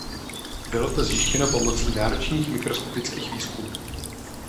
Bylo to zjištěno pomocí náročných mikroskopických výzkumů.